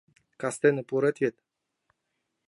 — Кастене пурет вет?